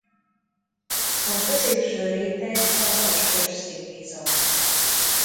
A középső réteg a vaskos szívizom.